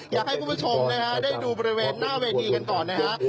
อยากให้คุณผู้ชมนะฮะได้ดูบริเวณหน้าเวทีกันก่อนนะฮะ